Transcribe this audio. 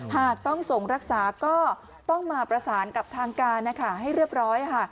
หากต้องส่งรักษาก็ต้องมาประสานกับทางการนะคะให้เรียบร้อย